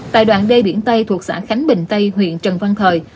tại đoạn đê biển tây thuộc xã khánh bình tây huyện trần văn thời